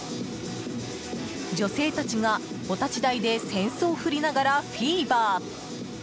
女性たちが、お立ち台で扇子を振りながらフィーバー。